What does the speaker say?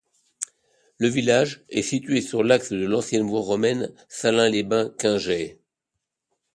Le village est situé sur l'axe de l'ancienne voie romaine Salins-les-Bains-Quingey.